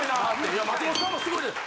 「いや松本さんもすごいです」。